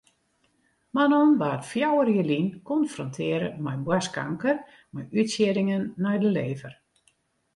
Manon waard fjouwer jier lyn konfrontearre mei boarstkanker mei útsieddingen nei de lever.